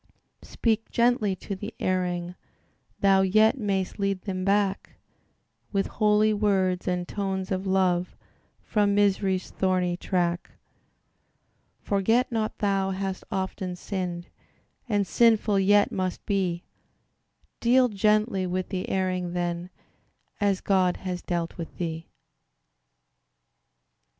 Speak gently to the erring: Thou yet may'st lead them back With holy words and tones of love, From misery's thorny track: Forget not thou hast often sinned, And sinful yet must be; Deal gently with the erring, then, As God has dealt with thee.